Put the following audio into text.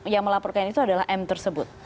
yang melaporkan itu adalah m tersebut